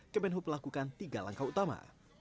kemenhub melakukan tiga langkah utama